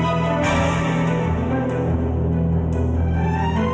yang sepupu banget